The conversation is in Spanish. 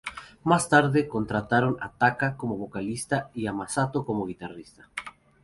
Más tarde contrataron a Taka como vocalista y a Masato como guitarrista.